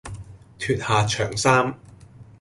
脫下長衫，